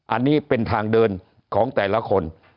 อันนี้เป็นทางเดินของแต่ละคน